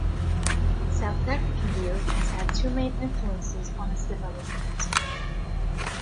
South African beer has had two main influences on its development.